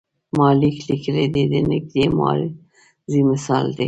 ما لیک لیکلی دی د نږدې ماضي مثال دی.